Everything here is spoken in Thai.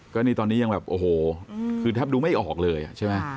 ก็นี่ตอนนี้ยังแบบโอ้โหคือแทบดูไม่ออกเลยใช่ไหม